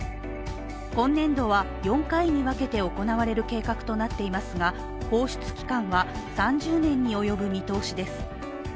今年度は４回に分けて行われる計画となっていますが、放出期間は３０年に及ぶ見通しです。